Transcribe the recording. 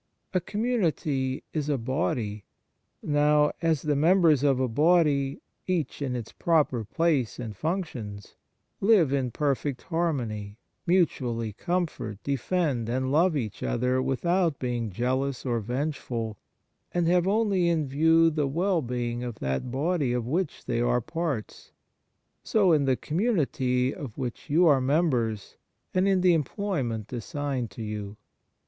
A community is a body. Now, as the members of a body, each in its proper place and functions, live in perfect harmony, mutually comfort, defend, and love each other, without being jealous or vengeful, and have only in view the well being of that body of which they are parts, so in the community of which you are members and in the em 9 Fraternal Charity ployment assigned to you.